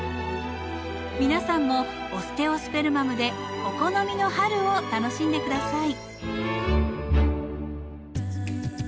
皆さんもオステオスペルマムでお好みの春を楽しんで下さい。